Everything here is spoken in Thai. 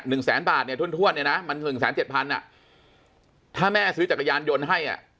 หนึ่งแสนบาทเนี่ยถ้วนเนี่ยนะมันหนึ่งแสนเจ็ดพันธุ์ถ้าแม่ซื้อจักรยานยนต์ให้